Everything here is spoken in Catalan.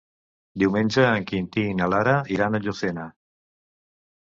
Diumenge en Quintí i na Lara iran a Llucena.